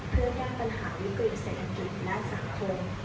เพื่อแก้ปัญหาวิกฤติเศรษฐกิจและสังคม